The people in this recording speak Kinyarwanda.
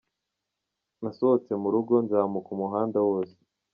Nasohotse mu rugo, nzamuka umuhanda wose.